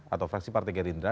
atau fraksi partai gerindra